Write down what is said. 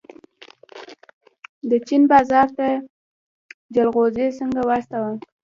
د چین بازار ته جلغوزي څنګه واستوم؟